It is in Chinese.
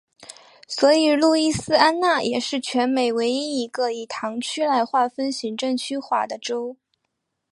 所以路易斯安那也是全美唯一一个以堂区来划分行政区划的州。